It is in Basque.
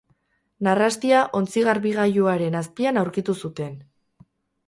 Narrastia ontzi-garbigailuaren azpian aurkitu zuten.